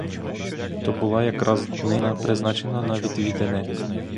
То була якраз днина, призначена на відвідини.